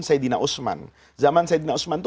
saidina usman zaman saidina usman itu